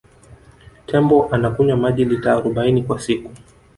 tembo anakunywa maji lita arobaini kwa siku